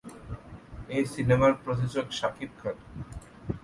এ সিনেমার প্রযোজক শাকিব খান।